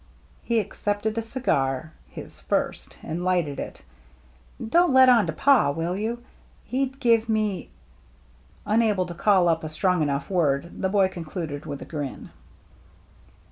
He accepted a cigar, his first, and lighted it. " Don't let on to Pa, will you? He'd give me —" Unable to call up a strong enough word, the boy concluded with a grin.